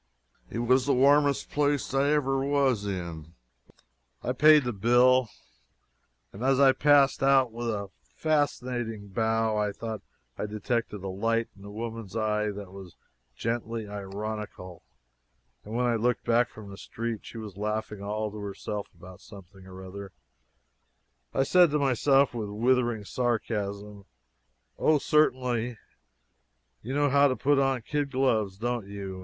It was the warmest place I ever was in. I paid the bill, and as I passed out with a fascinating bow I thought I detected a light in the woman's eye that was gently ironical; and when I looked back from the street, and she was laughing all to herself about something or other, I said to myself with withering sarcasm, "Oh, certainly; you know how to put on kid gloves, don't you?